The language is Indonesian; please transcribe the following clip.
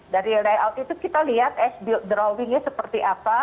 dari layout itu kita lihat drawingnya seperti apa